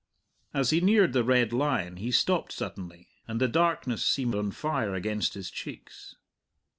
As he neared the Red Lion he stopped suddenly, and the darkness seemed on fire against his cheeks.